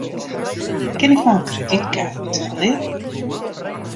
Kin ik mei in kredytkaart betelje?